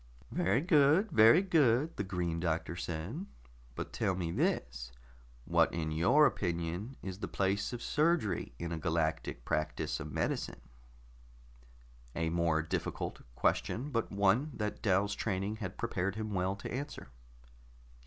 "Very good, very good," the Green Doctor said. "But tell me this: what in your opinion is the place of surgery in a Galactic practice of medicine?" A more difficult question, but one that Dal's training had prepared him well to answer.